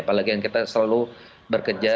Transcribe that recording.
apalagi yang kita selalu bekerja